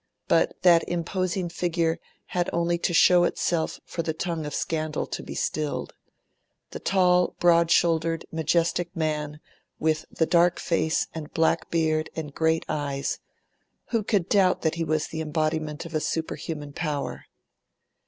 But that imposing figure had only to show itself for the tongue of scandal to be stilled. The tall, broad shouldered, majestic man, with the dark face and black beard and great eyes who could doubt that he was the embodiment of a superhuman power?